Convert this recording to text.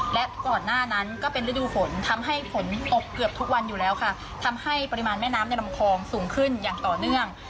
และก่อนหน้านั้นก็เป็นฤดูฝนทำให้ฝนตกเกือบทุกวันอยู่แล้วค่ะทำให้ปริมาณแม่น้ำในลำคลองสูงขึ้นอย่างต่อเนื่อง